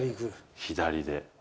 左で。